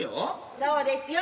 そうですよ。